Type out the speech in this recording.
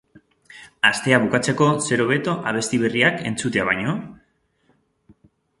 Astea bukatzeko zer hobeto abesti berriak entzutea baino?